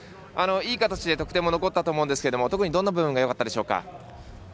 いい形で得点も残ったと思うんですけど特にどんな部分がよかったでしょうか？